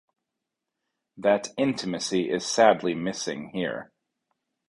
That intimacy is sadly missing here.